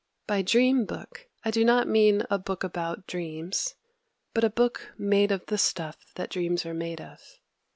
By "dream book," I do not mean a book about dreams, but a book made of the stuff that dreams are made of.